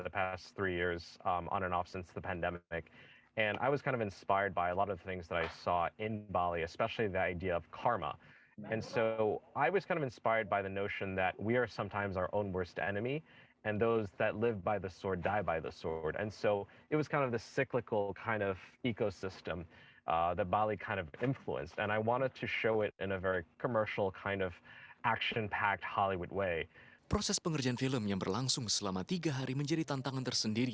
proses pengerjaan film yang berlangsung selama tiga hari menjadi tantangan tersendiri